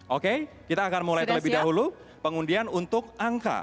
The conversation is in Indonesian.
oke kita akan mulai terlebih dahulu pengundian untuk angka